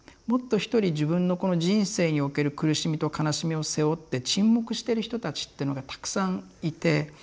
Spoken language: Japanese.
もっと一人自分のこの人生における苦しみと悲しみを背負って沈黙してる人たちっていうのがたくさんいて。